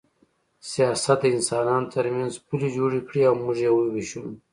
سیاست د انسانانو ترمنځ پولې جوړې کړې او موږ یې ووېشلو